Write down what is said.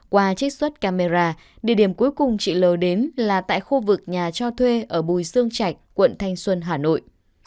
qua trích xuất camera địa điểm cuối cùng chị l đến là tại khu vực nhà cho thuê ở bùi sương trạch quận thanh xuân hà nội